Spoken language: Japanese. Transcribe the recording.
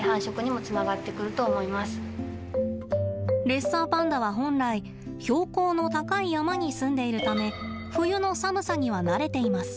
レッサーパンダは本来標高の高い山に住んでいるため冬の寒さには慣れています。